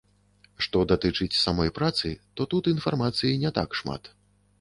Што датычыць самой працы, то тут інфармацыі не так шмат.